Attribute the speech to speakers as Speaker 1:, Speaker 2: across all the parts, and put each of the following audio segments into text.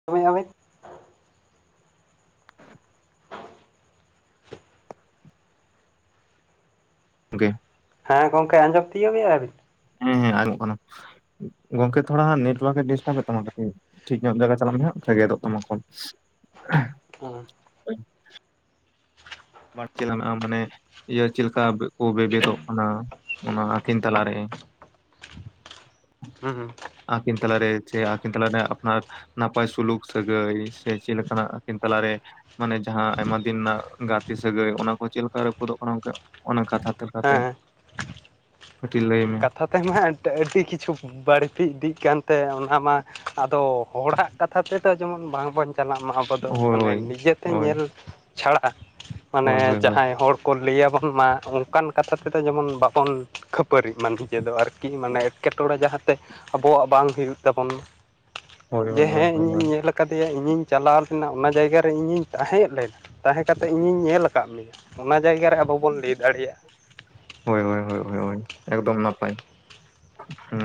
Speaker 1: [inaudible]
Speaker 2: [inaudible] ᱜᱮ
Speaker 1: ᱦᱮᱸ ᱜᱚᱢᱠᱮ ᱟᱸᱡᱚᱢ ᱛᱤᱭᱳᱜ ᱟᱹᱵᱤᱱ?
Speaker 2: ᱦᱮᱸ ᱦᱮᱸ ᱟᱸᱡᱚᱢᱚᱜ ᱠᱟᱱᱟ᱾ᱜᱚᱝᱠᱮ ᱛᱷᱚᱲᱟ ᱦᱟᱸᱜ ᱱᱮᱴᱚᱣᱟᱨᱠᱼᱮ ᱰᱤᱥᱴᱟᱵ ᱮᱫ ᱛᱟᱢᱟ ᱠᱟᱹᱴᱤᱡ᱾ ᱴᱷᱤᱠ ᱧᱚᱜ ᱡᱟᱭᱜᱟ ᱪᱟᱞᱟᱜ ᱢᱮ ᱦᱟᱸᱜ ᱵᱟᱠᱷᱟᱡ ᱜᱮᱫᱚᱜ ᱛᱟᱢᱟ ᱠᱚᱞ᱾ ᱵᱟᱲᱪᱮ [unintelligible] ᱞᱟᱱᱟᱜ ᱢᱟᱱᱮ ᱤᱭᱟᱹ ᱪᱮᱞᱠᱟ ᱠᱚ ᱵᱮᱵᱮᱫᱚᱜ [unintelligible] ᱠᱟᱱᱟ ᱚᱱᱟ ᱟᱹᱠᱤᱱ ᱛᱟᱞᱟ ᱨᱮ᱾
Speaker 1: ᱦᱩᱸ ᱦᱩᱸ᱾
Speaker 2: ᱟᱠᱤᱱ ᱛᱟᱞᱟ ᱨᱮ ᱥᱮ ᱟᱹᱠᱤᱱ ᱛᱞᱟ ᱨᱮ ᱟᱯᱱᱟᱨ ᱱᱟᱯᱟᱭ ᱥᱩᱞᱩᱠ ᱥᱟᱹᱜᱟᱹᱭ ᱥᱮ ᱪᱮᱫ ᱞᱮᱠᱟᱱᱟᱜ ᱟᱹᱠᱤᱱ ᱛᱟᱞᱟᱨᱮ ᱢᱟᱱᱮ ᱡᱟᱦᱟᱸ ᱟᱭᱢᱟ ᱫᱤᱱ ᱨᱮᱱᱟᱜ ᱜᱟᱛ ᱥᱟᱹᱜᱟᱹᱭ ᱚᱱᱟ ᱠᱚ ᱪᱮᱫ ᱞᱮᱠᱟ ᱨᱟᱹᱯᱩᱫᱚᱜ ᱠᱟᱱᱟ ᱚᱱᱟ ᱠᱟᱛᱷᱟ ᱞᱮᱠᱟ ᱛᱮ᱾
Speaker 1: ᱦᱮᱸ
Speaker 2: ᱠᱟᱴᱤᱡ ᱞᱟᱹᱭᱢᱮ
Speaker 1: ᱱᱚᱛᱮ ᱦᱚ ᱦᱟᱜ ᱮᱱᱛᱮ ᱟᱹᱰᱤ ᱠᱤᱪᱷᱩ ᱵᱟᱹᱲᱛᱤ ᱤᱫᱤᱜ ᱠᱟᱱᱛᱮ ᱚᱱᱟ ᱢᱟ ᱟᱫᱚ ᱦᱚᱲᱟᱜ ᱠᱟᱛᱷᱟ ᱛᱮᱫᱚ ᱡᱮᱢᱚᱱ ᱵᱟᱝᱵᱚᱱ ᱪᱟᱞᱟᱜ ᱢᱟ ᱟᱵᱚ ᱫᱚ ᱢᱟᱱᱮ
Speaker 2: ᱦᱳᱭ
Speaker 1: ᱱᱤᱡᱮᱛᱮ
Speaker 2: ᱦᱳᱭ
Speaker 1: ᱧᱮᱞ ᱪᱷᱟᱲᱟ ᱢᱟᱱᱮ
Speaker 2: ᱦᱳᱭ ᱦᱳᱭ ᱦᱳᱭ ᱦᱳᱭ
Speaker 1: ᱡᱟᱦᱟᱸᱭ ᱦᱚᱲ ᱠᱚ ᱞᱟᱹᱭᱟᱵᱚᱱ ᱢᱟ ᱚᱱᱠᱟᱱ ᱠᱟᱛᱷᱟ ᱛᱮᱫᱚ ᱡᱮᱢᱚᱱ ᱵᱟᱵᱚᱱ ᱠᱷᱟᱹᱯᱟᱹᱨᱤᱜ ᱢᱟ ᱱᱤᱡᱮ ᱫᱚ ᱟᱨᱠᱤ ᱢᱟᱱᱮ ᱮᱸᱴᱠᱮᱴᱚᱬᱮ ᱡᱟᱦᱟᱸᱛᱮ ᱟᱵᱚᱣᱟᱜ ᱵᱟᱝ ᱦᱩᱭᱩᱜ ᱛᱟᱵᱚᱱ ᱢᱟ
Speaker 2: ᱦᱳᱭ
Speaker 1: ᱡᱮ
Speaker 2: ᱦᱳᱭ ᱦᱳᱭ
Speaker 1: ᱦᱮᱸ
Speaker 2: ᱦᱳᱭ ᱦᱳᱭ
Speaker 1: ᱤᱧ ᱧᱮᱞᱟ ᱠᱟᱫᱟ ᱠᱟᱫᱮᱭᱟ ᱤᱧᱤᱧ ᱪᱟᱞᱟᱣ ᱞᱮᱱᱟ ᱚᱱᱟ ᱡᱟᱭᱜᱟ ᱨᱮ ᱤᱧᱤᱧ ᱛᱟᱦᱮᱸᱜ ᱞᱮᱱᱟ ᱛᱟᱦᱮᱸ ᱠᱟᱛᱮ ᱤᱧᱤᱧ ᱧᱮᱞ ᱟᱠᱟᱫ ᱢᱮᱭᱟ ᱚᱱᱟ ᱡᱟᱭᱜᱟ ᱨᱮ ᱟᱵᱚ ᱵᱚᱱ ᱞᱟᱹᱭ ᱫᱟᱲᱮᱭᱟᱜᱼᱟ
Speaker 2: ᱦᱳᱭ ᱦᱳᱭ ᱦᱳᱭ ᱮᱠᱫᱚᱢ ᱱᱟᱯᱟᱭ ᱦᱩᱸ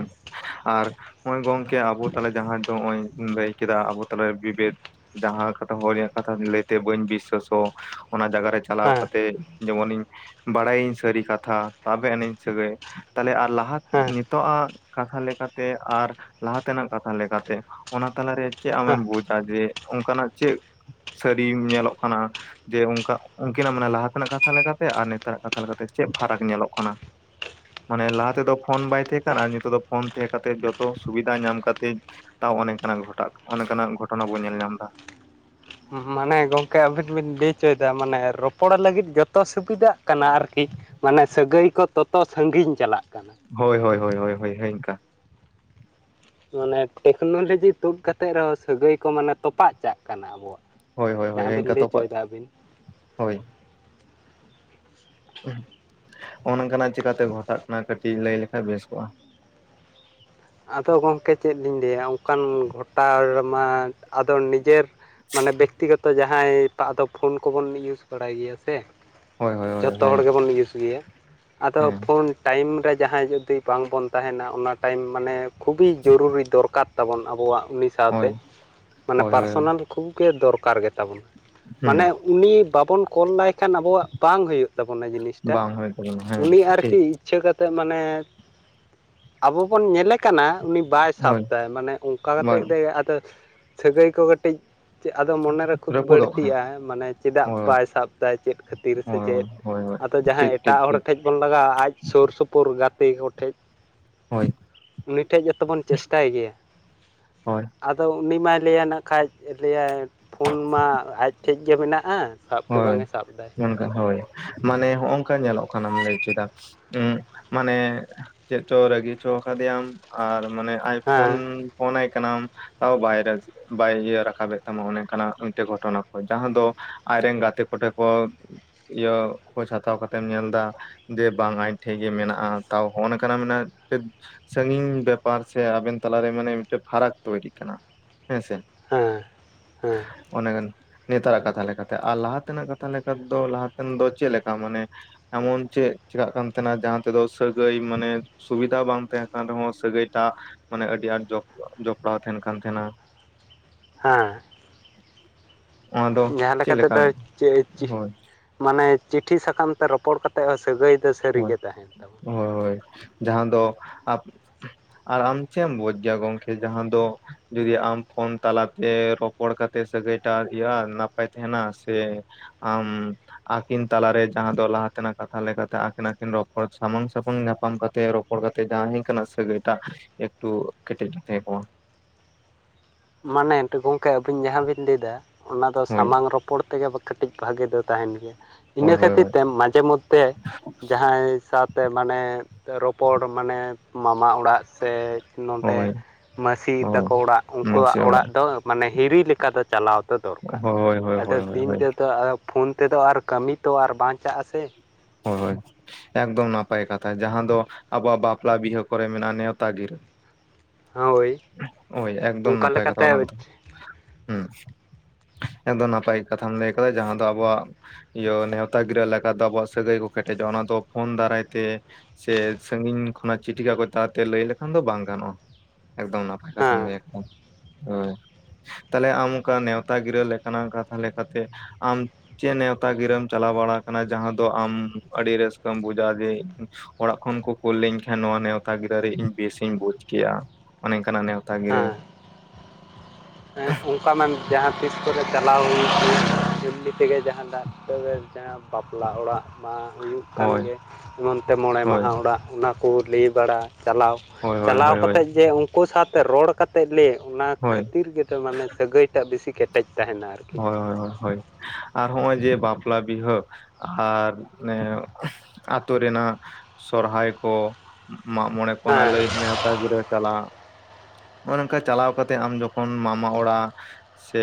Speaker 2: ᱟᱨ ᱱᱚᱜ ᱜᱚᱝᱠᱮ ᱟᱵᱚ ᱛᱟᱞᱟ ᱡᱟᱦᱟᱸᱭ ᱫᱚ ᱱᱚᱜ ᱚᱭ ᱞᱟᱹᱭ ᱠᱮᱫᱟ ᱟᱵᱚ ᱛᱟᱞᱟᱨᱮ ᱵᱤᱵᱮᱠ ᱡᱟᱦᱟᱸ ᱠᱟᱛᱷᱟ ᱦᱚᱲ ᱟᱜ ᱠᱟᱛᱷᱟ ᱞᱟᱹᱭᱛᱮ ᱵᱟᱹᱧ ᱵᱤᱥᱥᱟᱹᱥᱚᱜ ᱚᱱᱟ ᱡᱟᱜᱟ ᱨᱮ ᱪᱟᱞᱟᱣ
Speaker 1: ᱦᱮᱸ
Speaker 2: ᱠᱟᱛᱮ ᱡᱮᱢᱚᱱᱤᱧ ᱵᱟᱲᱟᱭᱟᱹᱧ ᱥᱟᱹᱨᱤ ᱠᱟᱛ ᱛᱷᱟ ᱛᱟᱵᱮ ᱟᱹᱱᱤᱡ ᱥᱟᱹᱜᱟᱹᱭ ᱛᱟᱦᱞᱮ ᱟᱨ ᱞᱟᱦᱟ
Speaker 1: ᱦᱮᱸ
Speaker 2: ᱱᱤᱛᱚᱜ ᱟᱜ ᱠᱟᱛᱷᱟ ᱞᱮᱠᱟᱛᱮ ᱟᱨ ᱞᱟᱦᱟ ᱛᱮᱱᱟᱜ ᱠᱟᱛᱷᱟ ᱞᱮᱠᱟᱛᱮ ᱚᱱᱟ ᱛᱟᱞᱟᱨᱮ ᱪᱮᱫ ᱟᱢᱮᱢ
Speaker 1: ᱦᱮᱸ
Speaker 2: ᱵᱩᱡ ᱫᱟ ᱡᱮ ᱚᱱᱠᱟᱱᱟᱜ ᱪᱮᱫ ᱥᱟᱹᱨᱤᱢ ᱧᱮᱞᱚᱜ ᱠᱟᱱᱟ᱾ ᱡᱮ ᱚᱱᱠᱟ ᱩᱱᱠᱤᱱᱟᱜ ᱢᱟᱱᱮ ᱞᱟᱦᱟ ᱛᱮᱱᱟᱜ ᱠᱟᱛᱷᱟ ᱞᱮᱠᱟᱛᱮ ᱟᱨ ᱱᱮᱛᱟᱨᱟᱜ ᱠᱟᱛᱷᱟ ᱞᱮᱠᱟᱛᱮ ᱪᱮᱫ ᱯᱷᱟᱨᱟᱠ ᱧᱮᱞᱚᱜ ᱠᱟᱱᱟ? ᱢᱟᱱᱮ ᱞᱟᱦᱟ ᱛᱮᱫᱚ ᱯᱷᱳᱱ ᱵᱟᱭ ᱛᱟᱦᱮᱸ ᱠᱟᱱ ᱟᱨ ᱱᱤᱛᱚᱜ ᱫᱚ ᱯᱷᱳᱱ ᱛᱟᱦᱮᱸ ᱠᱟᱛᱮᱜ ᱡᱚᱛᱚ ᱥᱩᱵᱤᱫᱷᱟ ᱧᱟᱢ ᱠᱟᱛᱮᱫ ᱛᱟᱣ ᱚᱱᱮ ᱚᱱᱠᱟᱱᱟᱜ ᱜᱷᱚᱴᱟᱜ ᱚᱱᱮᱚᱱᱠᱟᱱᱟᱜ ᱜᱷᱚᱴᱚᱱᱟ ᱵᱚᱱ ᱧᱮᱞ ᱧᱟᱢ ᱮᱫᱟ
Speaker 1: ᱢᱟᱱᱮ [inaudible] ᱜᱚᱢᱠᱮ ᱟᱹᱵᱤᱱ ᱵᱤᱱ ᱞᱟᱹᱭ ᱚᱪᱚᱭᱮᱫᱟ ᱢᱟᱱᱮ ᱨᱚᱯᱚᱲ ᱞᱟᱹᱜᱤᱫ ᱡᱚᱛᱚ ᱥᱩᱵᱤᱫᱷᱟᱜ ᱠᱟᱱᱟ ᱟᱨᱠᱤ ᱢᱟᱱᱮ ᱥᱟᱹᱜᱟᱹᱭ ᱠᱚ ᱛᱚᱛᱚ ᱥᱟᱺᱜᱤᱧ ᱪᱟᱞᱟᱜ ᱠᱟᱱᱟ
Speaker 2: ᱦᱳᱭ ᱦᱳᱭ ᱦᱳᱭ ᱦᱳᱭ ᱤᱱᱠᱟ
Speaker 1: ᱢᱟᱱᱮ ᱴᱮᱠᱱᱳᱞᱚᱡᱤ ᱛᱩᱫ ᱠᱟᱛᱮᱜ ᱨᱮᱦᱚᱸ ᱥᱟᱹᱜᱟᱹᱭ ᱠᱚ ᱢᱟᱱᱮ ᱛᱚᱯᱟᱜ ᱪᱟᱜ ᱠᱟᱱᱟ ᱟᱵᱚᱣᱟᱜ
Speaker 2: ᱦᱳᱭ ᱦᱳ ᱦᱳᱭ
Speaker 1: ᱡᱟᱦᱟᱸ ᱵᱤᱱ
Speaker 2: ᱤᱱᱠᱟᱹ
Speaker 1: ᱞᱟᱹᱭ
Speaker 2: ᱛᱚᱯᱟᱜ
Speaker 1: ᱦᱚᱪᱚᱭᱮᱫᱟ ᱟᱹᱵᱤᱱ
Speaker 2: ᱦᱳᱭ ᱦᱚᱜ ᱚᱱᱠᱟᱱᱟᱜ ᱪᱮᱠᱟᱹᱛᱮ ᱜᱷᱚᱴᱟᱜ ᱠᱟᱱᱟ ᱠᱟᱹᱴᱤᱡ ᱞᱟᱹᱭ ᱞᱮᱠᱷᱟᱱ ᱵᱮᱥ ᱠᱚᱜᱼᱟ
Speaker 1: ᱟᱫᱚ ᱜᱚᱝᱠᱮ ᱪᱮᱫ ᱞᱤᱧ ᱞᱟᱹᱭᱟ ᱚᱱᱠᱟᱱ ᱜᱷᱚᱴᱟᱣᱢᱟ ᱟᱫᱚ ᱱᱤᱡᱮᱨ ᱢᱟᱱᱮ ᱵᱮᱠᱛᱤᱜᱚᱛᱚ ᱡᱟ [inaudible] ᱦᱟᱸᱭ ᱛᱳ ᱟᱫᱚ ᱯᱷᱳᱱ ᱠᱚᱵᱚᱱ ᱤᱭᱩᱡᱽ ᱵᱟᱲᱟᱭ ᱜᱮᱭᱟ ᱥᱮ
Speaker 2: ᱦᱳᱭ ᱦᱳᱭ ᱦᱳᱭ
Speaker 1: ᱡᱷᱚᱛᱚ ᱦᱚᱲ
Speaker 2: ᱦᱮᱸ
Speaker 1: ᱜᱮᱵᱚᱱ ᱤᱭᱩᱥ ᱜᱮᱭᱟ ᱟᱫᱚ
Speaker 2: ᱦᱮᱸ
Speaker 1: ᱯᱷᱳᱱ ᱴᱟᱭᱤᱢ ᱨᱮ ᱡᱟᱦᱟᱸᱭ ᱡᱩᱫᱤ ᱵᱟᱝᱵᱚᱱ ᱛᱟᱦᱮᱱᱟ ᱚᱱᱟ ᱴᱟᱭᱤᱢ ᱢᱟᱱᱮ ᱠᱷᱩᱵᱤ ᱡᱚᱨᱩᱨᱤ ᱫᱚᱨᱠᱟᱨ ᱛᱟᱵᱚᱱ ᱟᱵᱚᱣᱟᱜ ᱩᱱᱤ
Speaker 2: ᱦᱳᱭ
Speaker 1: ᱥᱟᱶᱛᱮ ᱢᱟᱱᱮ
Speaker 2: ᱦᱳᱭ ᱦᱳᱭ
Speaker 1: ᱯᱟᱨᱥᱳᱱᱟᱞ ᱠᱷᱩᱵᱽ ᱜᱮ ᱫᱚᱨᱠᱟᱨ ᱜᱮᱛᱟᱵᱚᱱᱟ
Speaker 2: ᱦᱩᱸ
Speaker 1: ᱢᱟᱱᱮ ᱩᱱᱤ ᱵᱟᱵᱚᱱ ᱠᱚᱞ ᱞᱟᱭᱠᱷᱟᱱ ᱟᱵᱚᱣᱟᱜ ᱵᱟᱝ ᱦᱩᱭᱩᱜ ᱛᱟᱵᱚᱱᱟ ᱡᱤᱱᱤᱥᱴᱟ
Speaker 2: ᱵᱟᱝ ᱦᱩᱭ ᱛᱟᱵᱚᱱᱟ ᱦᱮᱸ
Speaker 1: ᱩᱱᱤ
Speaker 2: ᱴᱷᱤᱠ
Speaker 1: ᱟᱨᱠᱤ ᱤᱪᱷᱟᱹ ᱠᱟᱛᱮ ᱢᱟᱱᱮ ᱟᱵᱚ ᱵᱚᱱ ᱧᱮᱞᱮ ᱠᱟᱱᱟ ᱩᱱᱤ ᱵᱟᱭ
Speaker 2: ᱦᱳᱭ
Speaker 1: ᱥᱟᱵᱫᱟᱭ ᱢᱟᱱᱮ ᱚᱱᱠᱟ ᱠᱟᱛᱮᱫ
Speaker 2: ᱵᱟᱝ
Speaker 1: ᱜᱮ ᱟᱫᱚ ᱥᱟᱹᱜᱟᱹᱭ ᱠᱚ ᱠᱟᱹᱴᱤᱡ ᱟᱫᱚ ᱢᱚᱱᱮᱨᱮ ᱠᱷᱩᱫ
Speaker 2: ᱨᱟᱹᱯᱩᱫᱚᱜ ᱠᱟᱱᱟ
Speaker 1: ᱵᱟᱹᱲᱛᱤᱜᱼᱟ ᱢᱟᱱᱮ ᱪᱮᱫᱟᱜ
Speaker 2: ᱦᱳᱭ
Speaker 1: ᱵᱟᱭ ᱥᱟᱵ ᱫᱟᱭ ᱪᱮᱫ ᱠᱷᱟᱹᱛᱤᱨ ᱥᱮ
Speaker 2: ᱦᱳᱭ
Speaker 1: ᱪᱮᱫ
Speaker 2: ᱦᱳᱭ ᱦᱳᱭ
Speaker 1: ᱟᱫᱚ ᱡᱟᱦᱟᱸᱭ
Speaker 2: ᱴᱷᱤᱠ
Speaker 1: ᱮᱴᱟᱜ
Speaker 2: ᱴᱷᱤᱠ
Speaker 1: ᱦᱚᱲ
Speaker 2: ᱴᱷᱤᱠ
Speaker 1: ᱴᱷᱮᱡ ᱵᱚᱱ ᱞᱟᱜᱟᱣᱟ ᱟᱡ ᱥᱩᱨ ᱥᱩᱯᱩᱨ ᱜᱟᱛᱮ ᱠᱚᱴᱷᱮᱡ
Speaker 2: ᱦᱳᱭ
Speaker 1: ᱩᱱᱤ ᱴᱷᱮᱡ ᱜᱮᱛᱚ ᱵᱚᱱ ᱪᱮᱥᱴᱟᱭ ᱜᱮᱭᱟ
Speaker 2: ᱦᱳᱭ
Speaker 1: ᱟᱫᱚ ᱩᱱᱤ ᱢᱟᱭ ᱞᱟᱹᱭᱟ ᱱᱟᱜ ᱠᱷᱟᱡ ᱞᱟᱹᱭᱟᱭ ᱯᱷᱳᱱ ᱢᱟ ᱟᱡᱴᱷᱮᱡ ᱜᱮ ᱢᱮᱱᱟᱜᱼᱟ ᱥᱟᱵ ᱜᱮ ᱵᱟᱝ
Speaker 2: ᱦᱳᱭ
Speaker 1: ᱮ ᱥᱟᱵ ᱮᱫᱟᱭ
Speaker 2: [unintelligible] ᱦᱳᱭ ᱢᱟᱱᱮ ᱦᱚᱜᱝᱠᱟ ᱧᱮᱞᱚᱜ ᱠᱟᱱᱟᱢ ᱞᱟᱹᱭ ᱠᱮᱫᱟ ᱦᱚ ᱢᱟᱱᱮ ᱪᱮᱫ ᱪᱚ ᱨᱟᱹᱜᱤ ᱪᱚ ᱠᱟᱫᱮᱭᱟᱢ ᱟᱨ ᱢᱟᱱᱮ ᱟᱭ ᱯᱷᱳᱱ
Speaker 1: ᱦᱮᱸ
Speaker 2: ᱯᱷᱳᱱ ᱟᱭ ᱠᱟᱱᱟᱢ ᱛᱟᱣ ᱵᱟᱭ ᱵᱟᱭ ᱤᱭᱟᱹ ᱨᱟᱠᱟᱵᱮᱫ ᱛᱟᱢᱟ ᱚᱱᱮ ᱠᱟᱱᱟ ᱢᱤᱫᱴᱟᱜ ᱜᱷᱚᱴᱚᱱᱟ ᱠᱚ ᱡᱟᱦᱟᱸ ᱫᱚ ᱟᱡᱨᱮᱱ ᱜᱟᱛᱮ ᱠᱚ ᱴᱷᱮᱡ ᱠᱚ ᱤᱭᱟᱹ ᱠᱷᱳᱡᱽ ᱦᱟᱛᱟᱣ ᱠᱟᱛᱮᱢ ᱧᱮᱞ ᱫᱟ ᱡᱮ ᱵᱟᱝ ᱟᱡ ᱴᱷᱮᱡ ᱜᱮ ᱢᱮᱱᱟᱜᱼᱟ ᱛᱟᱣ ᱦᱚᱜᱼᱚᱭ ᱠᱟᱱᱟ ᱥᱟᱜᱤᱧ ᱵᱮᱯᱟᱨ ᱥᱮ ᱟᱵᱮᱱ ᱛᱟᱞᱟᱨᱮ ᱢᱟᱱᱮ ᱢᱤᱫᱴᱮᱱ ᱯᱷᱟᱨᱟᱠ ᱛᱳᱭᱨᱤᱜ ᱠᱟᱱᱟ ᱦᱮᱸ ᱥᱮ
Speaker 1: ᱦᱮᱸ ᱦᱮᱸ
Speaker 2: [inaudible] ᱚᱱᱮ [unintelligible] ᱱᱮᱛᱟᱨᱟᱜ ᱠᱟᱛᱷᱟ ᱞᱮᱠᱟ ᱟᱨ ᱞᱟᱦᱟ ᱛᱮᱱᱟᱜ ᱠᱟᱛᱷᱟ ᱞᱮᱠᱟ ᱫᱚ ᱞᱟᱦᱟᱛᱮᱱ ᱫᱚ ᱪᱮᱫ ᱞᱮᱠᱟ ᱢᱟᱱᱮ ᱮᱢᱚᱱ ᱪᱮᱫ ᱪᱮᱠᱟᱜ ᱠᱟᱱ ᱛᱟᱦᱮᱸᱱᱟ ᱡᱟᱦᱟᱸ ᱛᱮᱫᱚ ᱥᱟᱹᱜᱟᱹᱭ ᱢᱟᱱᱮ ᱥᱩᱵᱤᱫᱷᱟ ᱵᱟᱝ ᱛᱟᱦᱮᱸ ᱠᱟᱱ ᱨᱮᱦᱚᱸ ᱥᱟᱹᱜᱟᱹᱭᱴᱟᱜ ᱢᱟᱱᱮ ᱟᱹᱰᱤ ᱟᱸᱴ ᱡᱚᱯᱲᱟᱣ ᱛᱟᱦᱮᱱ ᱠᱟᱱ ᱛᱟᱦᱮᱸᱱᱟ
Speaker 1: [unintelligible] ᱦᱮᱸ
Speaker 2: ᱚᱱᱫᱚ
Speaker 1: ᱡᱟᱦᱟᱸ ᱞᱮᱠᱟ ᱛᱮᱫᱚ ᱪᱮᱫ ᱮ ᱪᱤ ᱢᱟᱱᱮ ᱪᱤᱴᱷᱤ ᱥᱟᱠᱟᱢ ᱛᱮ ᱨᱚᱯᱚᱲ ᱠᱟᱛᱮ ᱮᱫ ᱦᱚᱸ ᱥᱟᱹᱜᱟᱹᱭ ᱫᱚ ᱥᱟᱹᱨᱤ
Speaker 2: ᱦᱳᱭ
Speaker 1: ᱜᱮ ᱛᱟᱦᱮᱱ ᱛᱟᱵᱚᱱᱟ᱾
Speaker 2: ᱦᱳᱭ ᱦᱳᱭ ᱡᱟᱦᱟᱸ ᱫᱚ ᱟ ᱟᱨ ᱟᱢ ᱪᱮᱫ ᱮᱢ ᱵᱩᱡᱽ ᱜᱮᱭᱟ ᱜᱚᱢᱠᱮ ᱡᱟᱦᱟᱸ ᱫᱚ? ᱡᱩᱫᱤ ᱟᱢ ᱯᱷᱳᱱ ᱛᱟᱞᱟ ᱛᱮ ᱨᱚᱯᱚᱲ ᱠᱟᱛᱮ ᱥᱟᱹᱜᱟᱹᱭᱴᱟ ᱤᱭᱟᱹᱼᱟ ᱱᱟᱯᱟᱭ ᱛᱟᱦᱮᱱᱟ ᱥᱮ ᱟᱢ ᱟᱹᱠᱤᱱ ᱛᱟᱞᱟᱨᱮ ᱡᱟᱦᱟᱸ ᱫᱚ ᱞᱟᱦᱟ ᱛᱮᱱᱟᱜ ᱠᱟᱛᱷᱟ ᱞᱮᱠᱟᱛᱮ ᱟᱹᱠᱤᱱ ᱟᱹᱠᱤᱱ ᱨᱚᱯᱚᱲ ᱥᱟᱢᱟᱝ ᱥᱟᱢᱟᱝ ᱧᱟᱯᱟᱢ ᱠᱟᱛᱮ ᱨᱚᱯᱚᱲ ᱠᱟᱛᱮ ᱡᱟᱦᱟᱸᱭ ᱠᱟᱱᱟ ᱥᱟᱹᱜᱟᱹᱭᱴᱟᱜ ᱮᱠᱴᱩ ᱠᱮᱴᱮᱡ ᱜᱮ ᱛᱟᱦᱮᱸ ᱠᱚᱣᱟ
Speaker 1: ᱢᱟᱱᱮ ᱜᱚᱝᱠᱮ ᱟᱵᱤᱱ ᱡᱟᱦᱟᱸ ᱵᱤᱱ ᱞᱟᱹᱭ ᱮᱫᱟ ᱚᱱᱟ ᱫᱚ
Speaker 2: ᱦᱳᱭ
Speaker 1: ᱥᱟᱢᱟᱝ ᱨᱚᱯᱚᱲ ᱛᱮᱜᱮ ᱠᱟᱹᱴᱤᱡ ᱵᱷᱟᱜᱮ ᱫᱚ ᱛᱟᱦᱮᱱ ᱜᱮᱭᱟ
Speaker 2: ᱦᱳᱭ
Speaker 1: ᱤᱱᱟᱹ
Speaker 2: ᱦᱳᱭ
Speaker 1: ᱠᱷᱟᱹᱛᱤᱨ ᱛᱮ ᱢᱟᱡᱷᱮ ᱢᱚᱫᱷᱮ ᱡᱟᱦᱟᱸᱭ ᱥᱟᱣ ᱛᱮ ᱢᱟᱱᱮ ᱨᱚᱯᱚᱲ ᱢᱟᱱᱮ ᱢᱟᱢᱟ ᱚᱲᱟᱜ ᱥᱮ ᱱᱚᱰᱮ
Speaker 2: ᱦᱳᱭ
Speaker 1: ᱢᱟᱹᱥᱤ
Speaker 2: ᱦᱳᱭ
Speaker 1: ᱛᱟᱠᱚ ᱚᱲᱟᱜ ᱩᱱᱠᱩᱣᱟᱜ ᱚᱲᱟᱜ ᱫᱚ ᱢᱟᱱᱮ ᱦᱤᱨᱤ ᱞᱮᱠᱟ ᱫᱚ ᱪᱟᱞᱟᱣ ᱫᱚ ᱫᱚᱨᱠᱟᱨ
Speaker 2: ᱦᱳᱭ ᱦᱳᱭ
Speaker 1: ᱟᱫᱚ
Speaker 2: ᱦᱳᱭ
Speaker 1: ᱫᱤᱱ
Speaker 2: ᱦᱳᱭ
Speaker 1: ᱫᱚ ᱛᱚ ᱯᱷᱳᱱ ᱛᱮᱫᱚ ᱟᱨ ᱠᱟᱹᱢᱤ ᱛᱚ ᱟᱨ ᱵᱟᱝ ᱪᱟᱜᱼᱟ ᱥᱮ᱾
Speaker 2: ᱦᱳᱭ ᱦᱳᱭ ᱮᱜᱽᱫᱚᱢ ᱱᱟᱯᱟᱭ ᱠᱟᱛᱷᱟ ᱡᱟᱦᱟᱸ ᱫᱚ ᱟᱵᱚᱣᱟᱜ ᱵᱟᱯᱞᱟ ᱵᱤᱦᱟᱹ ᱠᱚᱨᱮ ᱢᱮᱱᱟᱜᱼᱟ ᱱᱮᱣᱛᱟ ᱜᱤᱨᱟᱹ
Speaker 1: ᱦᱳᱭ
Speaker 2: [inaudible] ᱦᱳᱭ ᱮᱠᱫᱚᱢ
Speaker 1: ᱚᱱᱠᱟ
Speaker 2: ᱱᱟᱯᱟᱭ
Speaker 1: ᱞᱮᱠᱟᱛᱮ
Speaker 2: ᱠᱟᱛᱷᱟ ᱚᱱᱟ
Speaker 1: ᱦᱮᱸ
Speaker 2: ᱠᱚᱫᱚ ᱦ ᱮᱠᱫᱚᱢ ᱱᱟᱯᱟᱭ ᱠᱟᱛᱷᱟᱢ ᱞᱟᱹᱭ ᱟᱠᱟᱫᱟ ᱡᱟᱦᱟᱸ ᱫᱚ ᱟᱵᱚᱣᱟᱜ ᱤᱭᱟᱹ ᱱᱮᱣᱛᱟ ᱜᱤᱨᱟᱹ ᱞᱟᱜᱟ [unintelligible] ᱟᱵᱚᱣᱟᱜ᱾ ᱥᱟᱹᱜᱟᱹᱭ ᱠᱚ ᱠᱮᱴᱮᱡᱚᱜᱼᱟ ᱚᱱᱟ ᱫᱚ ᱯᱷᱳᱱ ᱫᱟᱨᱟᱭ ᱛᱮ ᱥᱮ ᱥᱟᱜᱤᱧ ᱠᱷᱚᱱᱟᱜ ᱪᱤᱴᱷᱤ ᱠᱟᱜᱚᱡ ᱛᱟᱞᱟᱛᱮ ᱞᱟᱹᱭ ᱞᱮᱠᱷᱟᱱ ᱫᱚ ᱵᱟᱝ ᱜᱟᱱᱚᱜᱼᱟ᱾ ᱮᱠᱫᱚᱢ ᱱᱟᱯᱟᱭ ᱠᱟᱛᱷᱟ ᱞᱟᱹᱭ
Speaker 1: ᱦᱮᱸ
Speaker 2: ᱟᱠᱟᱫ-ᱟ ᱦᱳᱸᱭ ᱛᱟᱦᱞᱮ ᱟᱢ ᱚᱱᱠᱟ ᱱᱮᱶᱛᱟ ᱜᱤᱨᱟᱹ ᱞᱮᱠᱟᱱᱟᱜ ᱠᱟᱛᱷᱟ ᱞᱮᱠᱟᱛᱮ ᱟᱢ ᱪᱮᱫ ᱱᱮᱣᱛᱟ ᱜᱤᱨᱟᱹᱢ ᱪᱟᱞᱟᱣ ᱵᱟᱲᱟ ᱟᱠᱟᱱᱟ ᱡᱟᱦᱟᱸ ᱫᱚ? ᱛᱚ ᱟᱢ ᱟᱹᱰᱤ ᱨᱟᱹᱥᱠᱟᱹᱢ ᱵᱩᱡᱟ ᱡᱮ ᱚᱲᱟᱜ ᱠᱷᱚᱱ ᱠᱚ ᱠᱩᱞᱞᱤᱧ ᱠᱷᱟᱱ ᱱᱚᱶᱟ ᱱᱮᱣᱛᱟ ᱜᱤᱨᱟᱹᱨᱮ ᱤᱧ ᱵᱮᱥᱤᱧ ᱵᱩᱡᱽ ᱠᱮᱭᱟ ᱚᱱᱮ ᱚᱱᱠᱟᱱᱟᱜ ᱱᱮᱣᱛᱟ ᱜᱤᱨᱟᱹ
Speaker 1: ᱚᱱᱠᱟ ᱢᱟ ᱡᱟᱦᱟᱸ ᱛᱤᱥ ᱠᱚᱨᱮ ᱪᱟᱞᱟᱣ ᱮᱢᱱᱤ ᱛᱮᱜᱮ ᱡᱟᱦᱟᱸ [unintelligible] ᱵᱟᱯᱞᱟ ᱚᱲᱟᱜ ᱢᱟ ᱦᱩᱭᱩᱜ ᱠᱟᱱ
Speaker 2: ᱦᱳᱭ
Speaker 1: ᱜᱮ ᱮᱢᱚᱱ ᱛᱮ ᱢᱚᱬᱮ
Speaker 2: ᱦᱳᱭ
Speaker 1: ᱢᱟᱦᱟ ᱚᱲᱟᱜ ᱚᱱᱟᱠᱚ ᱞᱟᱹᱭ ᱵᱟᱲᱟ ᱪᱟᱞᱟᱣ
Speaker 2: ᱦᱳᱭ
Speaker 1: [inaudible]
Speaker 2: ᱦᱳᱭ
Speaker 1: ᱪᱟᱞᱟᱣ
Speaker 2: ᱦᱳᱭ ᱦᱳᱭ
Speaker 1: ᱠᱟᱛᱮ ᱡᱮ ᱩᱱᱠᱩ ᱥᱟᱶᱛᱮ ᱨᱚᱲ ᱠᱟᱛᱮ ᱞᱮ ᱚᱱᱟ
Speaker 2: ᱦᱳᱭ
Speaker 1: ᱤᱨ ᱜᱮ ᱛᱳ ᱢᱟᱱᱮ ᱥᱟᱹᱜᱟᱹᱭ ᱴᱟᱜ ᱵᱮᱥᱤ ᱠᱮᱴᱮᱡ ᱛᱟᱦᱮᱱᱟ ᱟᱨᱠᱤ
Speaker 2: ᱦᱳᱭ ᱦᱳᱭ ᱦᱚᱭ ᱦᱳᱭ ᱟᱨ ᱦᱚᱸᱜᱼᱚᱭ ᱡᱮ ᱵᱟᱯᱞᱟ ᱵᱤᱦᱟᱹ ᱟᱨ ᱚᱱᱮ ᱟᱛᱳ ᱨᱮᱱᱟᱜ ᱥᱚᱨᱦᱟᱭ ᱠᱚ ᱢᱟᱜ ᱢᱚᱬᱮ ᱠᱚ ᱚᱱᱟ
Speaker 1: ᱦᱮᱸ
Speaker 2: ᱞᱟᱹᱭ ᱱᱮᱶᱛᱟ ᱜᱤᱨᱟᱹ ᱪᱟᱞᱟᱜ [unintelligible] ᱱᱚᱝᱠᱟ ᱪᱟᱞᱟᱣ ᱠᱟᱛᱮ ᱟᱢ ᱡᱚᱠᱷᱚᱱ ᱢᱟᱢᱟ ᱚᱲᱟᱜ ᱥᱮ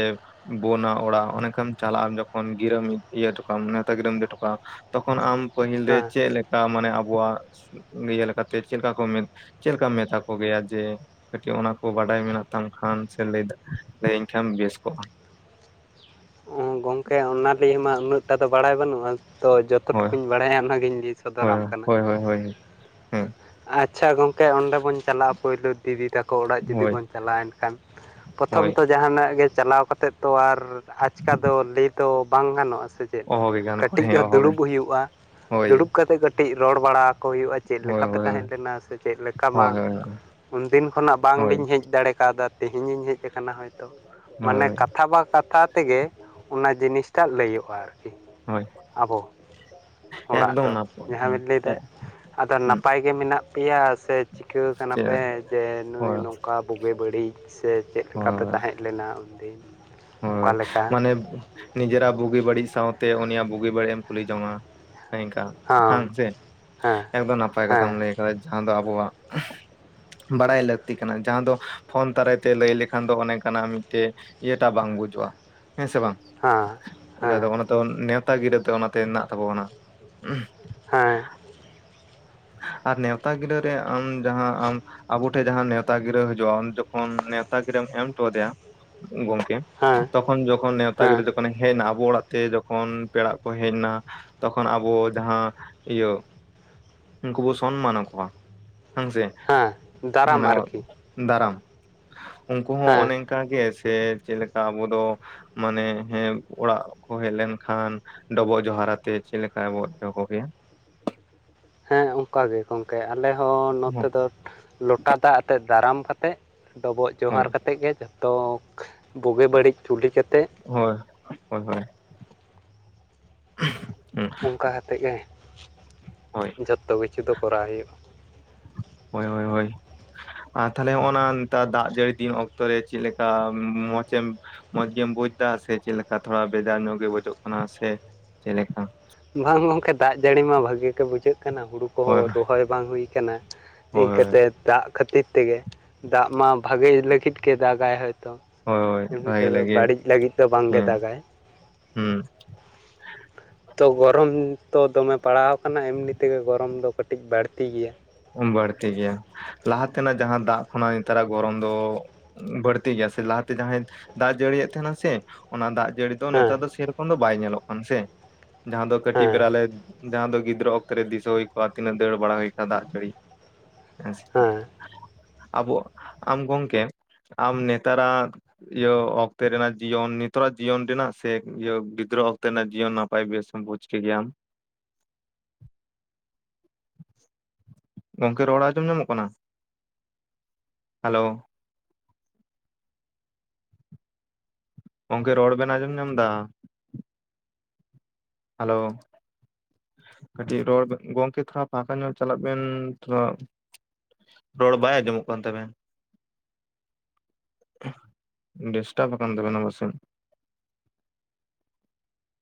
Speaker 2: ᱵᱚᱱᱟ ᱚᱲᱟᱜ ᱚᱱᱮ ᱚᱱᱠᱟᱢ ᱪᱟᱞᱟᱜ ᱟ ᱡᱚᱠᱷᱚᱱ ᱜᱤᱨᱟᱹ ᱤᱢ ᱤᱭᱟᱹ ᱦᱚ ᱦᱚᱴᱚᱠᱟᱜ-ᱟᱢ ᱱᱮᱣᱛᱟ ᱜᱤᱨᱟᱹᱢ ᱤᱫᱤ ᱦᱚᱴᱚᱠᱟᱜᱼᱟ ᱛᱚᱠᱷᱚᱱ ᱟᱢ ᱯᱟᱹᱦᱤᱞ ᱨᱮ ᱪᱮᱫ ᱞᱮᱠᱟ ᱢᱟᱱᱮ ᱟᱵᱚᱣᱟᱜ ᱤᱭᱟᱹ ᱞᱮᱠᱟᱛᱮ ᱪᱮᱫᱠᱟ ᱠᱚ ᱢᱮ? ᱪᱮᱫ ᱞᱮᱠᱟ ᱢᱮᱛᱷᱟ ᱠᱚ ᱜᱮᱭᱟ ᱡᱮ? ᱠᱟᱹᱴᱤᱡ ᱚᱱᱟ ᱠᱚ ᱵᱟᱰᱟᱭ ᱢᱮᱱᱟᱜ ᱛᱟᱢ ᱠᱷᱟᱱ ᱥᱮ ᱞᱟᱹᱭ ᱞᱟᱹᱭᱟᱹᱧ ᱠᱷᱟᱱ ᱵᱮᱥ ᱠᱚᱜᱼᱟ
Speaker 1: ᱦᱮᱸ ᱜᱚᱢᱠᱮ ᱚᱱᱟ ᱞ ᱢᱟ ᱩᱱᱟᱹᱜ ᱴᱟ ᱫᱚ ᱵᱟᱲᱟᱭ ᱵᱟᱹᱱᱩᱜᱼᱟ ᱛᱚ ᱡᱚᱛᱚ ᱡᱚᱛ
Speaker 2: ᱦᱳᱭ
Speaker 1: ᱴᱩᱠᱩᱧ ᱵᱟᱲᱟᱭᱟ ᱚᱱᱟᱜᱤᱧ ᱞᱟᱹᱭ
Speaker 2: ᱦᱳᱭ
Speaker 1: ᱥᱚᱫᱚᱨᱟᱢ ᱠᱟᱱᱟ
Speaker 2: ᱦᱳᱭ ᱦᱳᱭ ᱦᱳᱭ ᱦᱮᱸ
Speaker 1: ᱟᱪᱷᱟ ᱜᱚᱢᱠᱮ ᱚᱸᱰᱮ ᱵᱚᱱ ᱪᱟᱞᱟᱜᱼᱟ ᱯᱳᱭᱞᱳ ᱫᱤᱫᱤ ᱛᱟᱠᱚ ᱚᱲᱟᱜ ᱡᱩᱫᱤ
Speaker 2: ᱦᱳᱭ
Speaker 1: ᱵᱚᱱ ᱪᱟᱞᱟᱜᱼᱟ ᱮᱱᱠᱷᱟᱱ᱾ ᱯᱨᱚᱛᱷᱚᱢ
Speaker 2: ᱦᱳᱭ
Speaker 1: ᱛᱚ ᱡᱟᱦᱟᱱᱟᱜ ᱜᱮ ᱪᱟᱞᱟᱣ ᱠᱟᱛᱮᱫ ᱛᱚ ᱟᱨ ᱟᱪᱠᱟ ᱫᱚ ᱞᱟᱹᱭ ᱫᱚ ᱵᱟᱝ ᱜᱟᱱᱚᱜᱼᱟ ᱥᱮ ᱪᱮᱫ
Speaker 2: ᱚᱦᱚ ᱜᱮ ᱜᱟᱱ ᱠᱚ
Speaker 1: ᱠᱟᱹᱴᱤᱡ
Speaker 2: ᱦᱮᱸ ᱚᱦᱚ ᱜᱮ
Speaker 1: ᱫᱩᱲᱩᱵ ᱦᱩᱭᱩᱜᱼᱟ
Speaker 2: ᱦᱳᱭ
Speaker 1: ᱫᱩᱲᱩᱵ ᱠᱟᱛᱮᱜ ᱠᱟᱹ ᱠᱟᱹᱴᱤᱡ ᱨᱚᱲ ᱵᱟᱲᱟᱚ ᱦᱩᱭᱩᱜᱼᱟ ᱪᱮᱫ
Speaker 2: ᱦᱳᱭ
Speaker 1: ᱞᱮᱠᱟ ᱯᱮ
Speaker 2: ᱦᱳᱭ
Speaker 1: ᱛᱟᱦᱮᱸ ᱞᱮᱱᱟ ᱥᱮ ᱪᱮᱫ ᱞᱮᱠᱟ
Speaker 2: ᱦᱳᱭ
Speaker 1: ᱵᱟᱝ?
Speaker 2: ᱦᱳᱭ
Speaker 1: ᱩᱱᱫᱤᱱ ᱠᱷᱚᱱᱟᱜ
Speaker 2: ᱦᱳᱭ
Speaker 1: ᱵᱟᱝᱞᱤᱧ ᱦᱮᱡ ᱫᱟᱲᱮ ᱠᱟᱣᱫᱟ ᱛᱮᱦᱮᱧᱤᱧ ᱦᱮᱡ ᱟᱠᱟᱱᱟ ᱦᱚᱭᱛᱳ ᱢᱟᱱᱮ
Speaker 2: ᱦᱳᱭ
Speaker 1: ᱠᱟᱛᱷᱟ ᱵᱟ ᱠᱟᱛᱷᱟ ᱛᱮᱜᱮ ᱚᱱᱟ ᱡᱤᱱᱤᱥᱴᱟᱜ ᱞᱟᱹᱭᱟᱹᱜ-ᱟ ᱟᱨᱠᱤ
Speaker 2: ᱦᱳᱭ
Speaker 1: ᱟᱵᱚ ᱚᱲᱟᱜ
Speaker 2: ᱮᱠᱫᱚᱢ
Speaker 1: ᱫᱚ
Speaker 2: ᱱᱟᱯᱟᱭ
Speaker 1: ᱡᱟᱦᱟᱸ
Speaker 2: ᱦᱩᱸ
Speaker 1: ᱵᱤᱱ ᱞᱟᱹᱭᱫᱟ ᱟᱫᱚ
Speaker 2: ᱦᱩᱸ
Speaker 1: ᱱᱟᱯᱟᱭ ᱜᱮ ᱢᱮᱱᱟᱜ ᱯᱮᱭᱟ ᱥᱮ ᱪᱤᱠᱟᱹ ᱠᱟᱱᱟ ᱯᱮ ᱡᱮ ᱱᱩᱭ
Speaker 2: ᱦᱳᱭ
Speaker 1: ᱱᱚᱝᱠᱟ ᱵᱩᱜᱤ ᱵᱟᱹᱲᱤᱡ ᱥᱮ ᱪᱮᱫ ᱞᱮᱠᱟ ᱯᱮ
Speaker 2: ᱦᱳᱭ
Speaker 1: ᱛᱟᱦᱮᱸ ᱞᱮᱱᱟ ᱩᱱᱫᱤᱱ
Speaker 2: ᱦᱳᱭ
Speaker 1: ᱚᱠᱟᱞᱮᱠᱟ
Speaker 2: ᱢᱟᱱᱮ ᱱᱤᱡᱮᱨᱟᱜ ᱵᱩᱜᱤ ᱵᱟᱹᱲᱤᱡ ᱥᱟᱶᱛᱮ ᱩᱱᱤᱭᱟᱜ ᱵᱩᱜᱤ ᱵᱟᱹᱲᱤᱡ ᱮᱢ ᱠᱩᱞᱤ ᱡᱚᱝ-ᱟ ᱱᱮᱝᱠᱟ ᱦᱮᱸ
Speaker 1: ᱦᱳᱭ
Speaker 2: ᱥᱮ
Speaker 1: ᱦᱮᱸ
Speaker 2: ᱮᱠᱫᱚᱢ ᱱᱟᱯᱟᱭ ᱠᱟᱛᱷᱟᱢ
Speaker 1: ᱦᱮᱸ
Speaker 2: ᱞᱟᱹᱭ ᱠᱟᱫᱟ ᱡᱟᱦᱟᱸ ᱫᱚ ᱟᱵᱚᱣᱟᱜ ᱵᱟᱲᱟᱭ ᱞᱟᱹᱠᱛᱤ ᱠᱟᱱᱟ ᱡᱟᱦᱟᱸ ᱫᱚ ᱯᱷᱳᱱ ᱫᱟᱨᱟᱭᱛᱮ ᱞᱟᱹᱭ ᱞᱮᱠᱷᱟᱱ ᱫᱚ ᱚᱱᱮ ᱠᱟᱱᱟ ᱢᱤᱫ ᱴᱮᱡ ᱮᱱᱟᱜ ᱴᱟᱵᱟᱝ ᱵᱩᱡᱩᱜᱼᱟ ᱦᱮᱸ ᱥᱮ ᱵᱟᱝ
Speaker 1: ᱦᱮᱸ ᱦᱮᱸ
Speaker 2: -? ᱛᱚ ᱱᱮᱣᱛᱟ ᱜᱤᱨᱟᱹ ᱫᱚ ᱚᱱᱟᱛᱮ ᱦᱮᱱᱟᱜ ᱛᱟᱵᱚᱱᱟ᱾
Speaker 1: ᱦᱮᱸ
Speaker 2: ᱟᱨ ᱱᱮᱣᱛᱟ ᱜᱤᱨᱟᱹ ᱨᱮ ᱟᱢ ᱡᱟᱦᱟᱸ ᱟᱢ ᱟᱵᱚ ᱴᱷᱮᱱ ᱡᱟᱦᱟᱸ ᱱᱮᱣᱛᱟ ᱜᱤᱨᱟᱹ ᱦᱤᱡᱩᱜᱼᱟ ᱡᱚᱠᱷᱚᱱ ᱱᱮᱣᱛᱟ ᱜᱤᱨᱟᱹᱢ ᱮᱢ ᱦᱚᱴᱚ ᱟᱫᱮᱭᱟ ᱜᱚᱝᱠᱮ
Speaker 1: ᱦᱮᱸ
Speaker 2: ᱛᱚᱠᱷᱚᱱ ᱡᱚᱠᱷᱚᱱ ᱱᱮᱶᱛᱟ
Speaker 1: ᱦᱮᱸ
Speaker 2: ᱜᱤᱨᱟᱹ ᱚᱱᱮ ᱦᱮᱡ ᱮᱱᱟ ᱟᱵᱚ ᱚᱲᱟᱜ ᱛᱮ ᱡᱚᱠᱷᱚᱱ ᱯᱮᱲᱟᱟᱜ ᱠᱚ ᱦᱮᱡ ᱮᱱᱟ ᱛᱚᱠᱷᱚᱱ ᱟᱵᱚ ᱡᱟᱦᱟᱸ ᱤᱭᱟᱹ ᱩᱱᱠᱩ ᱵᱚ ᱥᱚᱱᱢᱟᱱ ᱟᱠᱚᱣᱟ ᱦᱮᱸ ᱥᱮ
Speaker 1: ᱦᱮᱸ ᱫᱟᱨᱟᱢ
Speaker 2: ᱢᱟᱱᱮ
Speaker 1: ᱟᱨᱠᱤ
Speaker 2: ᱫᱟᱨᱟᱢ ᱩᱱᱠᱩ ᱦᱚᱸ
Speaker 1: ᱦᱮᱸ
Speaker 2: ᱚᱱᱮ ᱚᱱᱠᱟᱜᱮ ᱥᱮ ᱪᱮᱫᱮᱠᱟ ᱟᱵᱚ ᱫᱚ ᱢᱟᱱᱮ ᱦᱮᱸ ᱚᱲᱟᱜ ᱠᱚ ᱦᱮᱡ ᱞᱮᱱᱠᱷᱟᱱ ᱰᱚᱵᱚᱜ ᱡᱚᱦᱟᱨ ᱟᱛᱮ ᱪᱮᱫ ᱞᱮᱠᱟ ᱵᱚ ᱮᱵᱚᱜ-ᱮᱦᱚᱵᱮᱭᱟ
Speaker 1: ᱦᱮᱸ ᱚᱱᱠᱟ ᱜᱮ ᱜᱚᱢᱠᱮ ᱟᱞᱮ ᱦᱚᱸ ᱱᱚᱛᱮ
Speaker 2: ᱦᱳᱭ
Speaker 1: ᱫᱚ ᱞᱚᱴᱟ ᱫᱟᱜ ᱟᱛᱮᱫ ᱫᱟᱨᱟᱢ ᱠᱟᱛᱮᱫ ᱰᱚᱵᱚᱜ ᱡᱚᱦᱟᱨ
Speaker 2: ᱦᱳᱭ
Speaker 1: ᱠᱟᱛᱮᱫ ᱜᱮ ᱡᱚᱛᱚ ᱵᱩᱜᱤ ᱵᱟᱹᱲᱤᱡ ᱪᱩᱞᱤ ᱠᱟᱛᱮᱫ
Speaker 2: ᱦᱳᱭ ᱦᱳᱭ ᱦᱳᱭ
Speaker 1: ᱚᱱᱠᱟ ᱠᱟᱛᱮᱫ ᱜᱮ
Speaker 2: ᱦᱳᱭ
Speaker 1: ᱡᱚᱛᱚ ᱠᱤᱪᱷᱩ ᱫᱚ ᱠᱚᱨᱟᱣ ᱦᱩᱭᱩᱜᱼᱟ
Speaker 2: ᱦᱳᱭ ᱦᱳᱭ ᱦᱳᱭ ᱟᱨ ᱛᱟᱦᱚᱞᱮ ᱦᱚᱜ ᱱᱟ ᱱᱮᱛᱟᱨ ᱫᱟᱜ ᱡᱟᱹᱲᱤ ᱫᱤᱱ ᱚᱠᱛᱚᱨᱮ ᱪᱮᱫᱞᱮᱠᱟ ᱢᱚᱸᱪ ᱮᱢ ᱢᱚᱸᱡ ᱜᱮᱢ ᱵᱩᱡ ᱮᱫᱟ ᱥᱮ ᱪᱮᱫ ᱞᱮᱠᱟ ᱛᱷᱚᱲᱟ ᱵᱷᱮᱫᱟᱨ ᱧᱚᱜ ᱜᱮ ᱵᱩᱡᱚᱜ ᱠᱟᱱᱟ ᱥᱮ ᱪᱮᱞᱮᱠᱟ
Speaker 1: ᱵᱟᱝ ᱜᱚᱢᱠᱮ ᱫᱟᱜ ᱡᱟᱹᱲᱤ ᱢᱟ ᱵᱷᱟᱹᱜᱤ ᱜᱮ ᱵᱩᱡᱷᱟᱹᱜ ᱠᱟᱱᱟ ᱦᱩᱲᱩ
Speaker 2: ᱦᱳᱭ
Speaker 1: ᱠᱚᱦᱚᱸ ᱨᱚᱦᱚᱭ ᱵᱟᱝ ᱦᱩᱭ ᱟᱠᱟᱱᱟ
Speaker 2: ᱦᱳᱭ
Speaker 1: ᱤᱱᱠᱟᱹᱛᱮ ᱫᱟᱜ ᱠᱷᱟᱹᱛᱤᱨ ᱛᱮᱜᱮ ᱫᱟᱜ ᱢᱟ ᱵᱷᱟᱜᱮ ᱞᱟᱹᱜᱤᱫ ᱜᱮ ᱫᱟᱜᱟᱭ ᱦᱚᱭᱛᱳ
Speaker 2: ᱦᱳᱭ ᱦᱳᱭ
Speaker 1: ᱮᱢᱱᱤ
Speaker 2: ᱵᱷᱟᱜᱮ
Speaker 1: ᱛᱮᱫᱚ
Speaker 2: ᱞᱟᱹᱜᱤ
Speaker 1: ᱵᱟᱹᱲᱤᱡ ᱞᱟᱹᱜᱤᱫ ᱫᱚ ᱵᱟᱝᱜᱮ ᱫᱟᱜᱟᱭ
Speaker 2: ᱦᱮᱸ
Speaker 1: ᱛᱚ ᱜᱚᱨᱚᱢ ᱛᱚ ᱫᱚᱢᱮ ᱯᱟᱲᱟᱣ ᱟᱠᱟᱱᱟ ᱮᱢᱱᱤ ᱛᱮᱜᱮ ᱜᱚᱨᱚᱢ ᱫᱚ ᱠᱟᱹᱴᱤᱡ ᱵᱟᱹᱲᱛᱤ ᱜᱮᱭᱟ
Speaker 2: ᱵᱟᱹᱲᱛᱤ ᱜᱮᱭᱟ ᱞᱟᱦᱟ ᱛᱮᱱᱟᱜ ᱡᱟᱦᱟᱸ ᱫᱟᱜ ᱠᱷᱚᱱᱟᱜ ᱱᱮᱛᱟᱨᱟᱜ ᱜᱚᱨᱚᱢ ᱫᱚ ᱵᱟᱹᱲᱛᱤ ᱜᱮᱭᱟ ᱥᱮ ᱞᱟᱦᱟᱛᱮ ᱡᱟᱦᱟᱸᱭ ᱫᱟᱜ ᱡᱟᱹᱲᱤᱭᱮᱫ ᱛᱟᱦᱮᱱᱟ ᱥᱮ ᱚᱱᱟ ᱫᱟᱜ ᱡᱟᱹᱲᱤ ᱫᱚ
Speaker 1: ᱦᱮᱸ
Speaker 2: ᱱᱮᱛᱟᱨ ᱫᱚ ᱥᱮᱨᱚᱠᱚᱢ ᱫᱚ ᱵᱟᱭ ᱧᱮᱞᱚᱜ ᱠᱟᱱᱟ ᱥᱮ ᱡᱟᱦᱟᱸ ᱫᱚ ᱠᱟᱹᱴᱤᱡ
Speaker 1: ᱦᱮᱸ
Speaker 2: ᱵᱮᱨ ᱞᱮ ᱡᱟᱦᱟᱸ ᱫᱚ ᱜᱤᱫᱽᱨᱟᱹ ᱚᱠᱛᱚ ᱨᱮ ᱫᱤᱥᱟᱹ ᱦᱩᱭ ᱠᱚᱜ-ᱟ ᱛᱤᱱᱟᱹᱜ ᱫᱟᱹᱲ ᱵᱟᱲᱟ ᱦᱩᱭ ᱠᱚᱜ-ᱟ ᱫᱟᱜ ᱡᱟᱹᱲᱤ ᱦᱮᱸ ᱥᱮ ᱟᱵᱚ ᱟᱢ ᱜᱚᱢᱠᱮ ᱟᱢ ᱱᱮᱛᱟᱨᱟᱜ ᱤᱭᱟᱹ ᱚᱠᱛᱮ ᱨᱮᱱᱟᱜ ᱡᱤᱭᱚᱱ ᱱᱤᱛᱟᱨᱟᱜ ᱡᱤᱭᱚᱱ ᱨᱮᱱᱟᱜ ᱥᱮ ᱤᱭᱟᱹ ᱜᱤᱫᱽᱨᱟᱹ ᱚᱠᱛᱮ ᱨᱮᱱᱟᱜ ᱡᱤᱭᱚᱱ ᱦᱚᱭ ᱵᱮᱥ ᱮᱢ ᱵᱩᱡᱷ ᱠᱮᱫ ᱜᱮᱭᱟᱢ ᱜᱚᱝᱠᱮ ᱨᱚᱲ ᱟᱸᱡᱚᱢ ᱧᱟᱢᱚᱜ ᱠᱟᱱᱟ ᱦᱮᱞᱳ ᱜᱚᱢᱠᱮ ᱨᱚᱲ ᱵᱮᱱ ᱟᱸᱡᱚᱢ ᱧᱟᱢ ᱮᱫᱟ ᱦᱮᱞᱳ ᱠᱟᱹᱴᱤᱡ ᱨᱚᱲ ᱵᱮ ᱜᱚᱝᱠᱮ ᱛᱷᱚᱲᱟ ᱯᱷᱟᱠᱟ ᱧᱚᱜ ᱪᱟᱞᱟᱜ ᱵᱮᱱ ᱛᱷᱚ ᱨᱚᱲ ᱵᱟᱭ ᱟᱸᱡᱚᱢᱚᱜ ᱠᱟᱱ ᱛᱟᱵᱮᱱ ᱮᱸᱦ ᱰᱤᱥᱴᱟᱵ ᱟᱠᱟᱱ ᱛᱟᱵᱮᱱᱟ ᱵᱟᱥᱮ